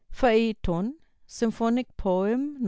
"PHAËTON," SYMPHONIC POEM No.